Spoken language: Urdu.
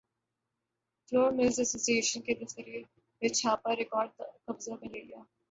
فلور ملز ایسوسی ایشن کے دفترپر چھاپہ ریکارڈ قبضہ میں لے لیا